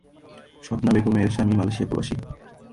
স্বপ্না বেগমের স্বামী মালয়েশিয়াপ্রবাসী।